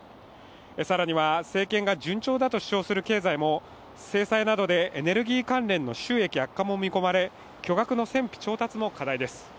更には政権が順調だと主張する経済も制裁などでエネルギー関連の収益悪化も見込まれ巨額の戦費調達も課題です。